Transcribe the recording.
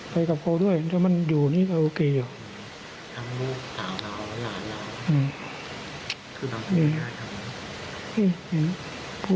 พ่อไม่ได้ไปยุ่งที่อย่างแน่นก็